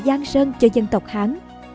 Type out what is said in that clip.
gian sơn cho dân tộc hán